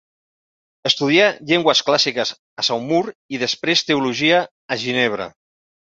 Estudià llengües clàssiques a Saumur i després teologia a Ginebra.